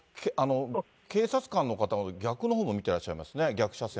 でも警察官の方が、逆のほうも見てらっしゃいますね。